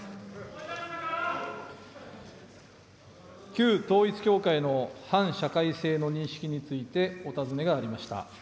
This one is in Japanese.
旧統一教会の反社会性の認識について、お尋ねがありました。